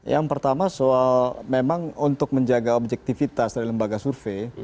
yang pertama soal memang untuk menjaga objektivitas dari lembaga survei